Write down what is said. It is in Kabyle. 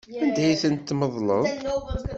Anda ay tent-tmeḍleḍ?